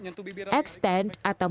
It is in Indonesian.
extend atau memanah dan juga memanah